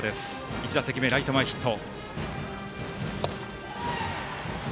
１打席目、ライト前ヒット。